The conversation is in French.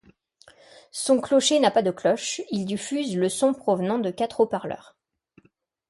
Son clocher n'a pas de cloche, il diffuse le son provenant de quatre haut-parleurs.